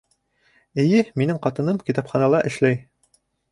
Эйе, минең ҡатыным китапханала эшләй.